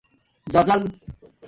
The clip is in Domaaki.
زَزِلا